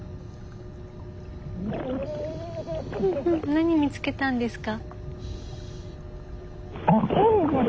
何見つけたんですか？